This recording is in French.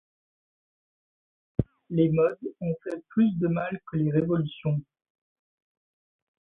Les modes ont fait plus de mal que les révolutions.